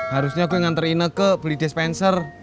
harusnya gue nganterine ke beli dispenser